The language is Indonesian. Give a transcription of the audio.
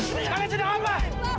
tempat luar lain